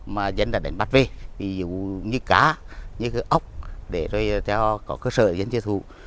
mà dân đã đến bắt về ví dụ như cá ốc để cho có cơ sở dân tiêu thụ